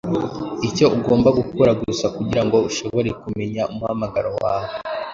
Icyo ugomba gukora gusa kugirango ushobore kumenya umuhamagaro wawe,